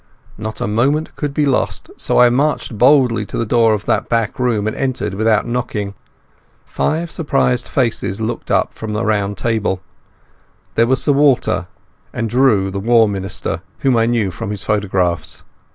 Not a moment could be lost, so I marched boldly to the door of that back room and entered without knocking. Five surprised faces looked up from a round table. There was Sir Walter, and Drew the War Minister, whom I knew from his photographs.